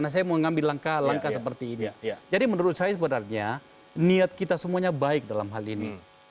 sehingga syarat setia nkri